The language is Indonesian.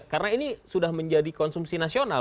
karena ini sudah menjadi konsumsi nasional